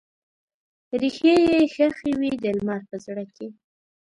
ریښې یې ښخې وي د لمر په زړه کې